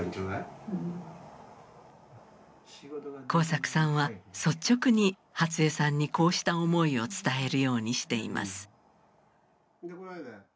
耕作さんは率直に初江さんにこうした思いを伝えるようにしています。